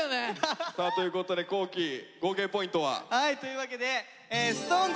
さあということで皇輝合計ポイントは。というわけでＳｉｘＴＯＮＥＳ